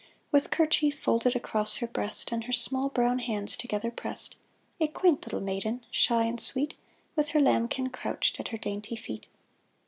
With kerchief folded across her breast, And her small brown hands together pressed, A quaint little maiden, shy and sweet, With her lambkin crouched at her dainty feet.